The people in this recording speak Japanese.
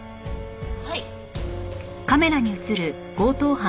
はい。